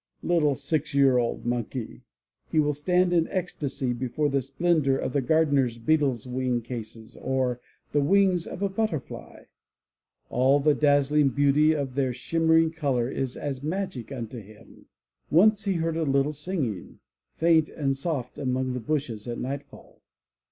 Little six year old monkey! He will stand in ecstasy before the splendor of the gardener beetle's wing cases, or the wings of a butterfly. All the dazzling beauty of their shimmer ing color is as magic unto him. Once he heard a little singing, faint and soft among the bushes at night fall.